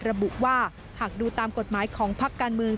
ระบุว่าหากดูตามกฎหมายของพักการเมือง